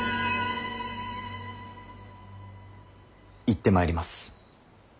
行ってまいります。